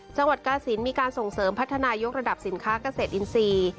จังหวัดกรสินมีการส่งเสริมพัฒนายกระดับสินค้าเกษตรอินทรีย์